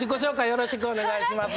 よろしくお願いします。